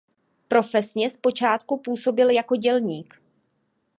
Profesně zpočátku působil jako dělník.